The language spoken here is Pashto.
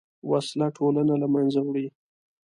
وسله ټولنه له منځه وړي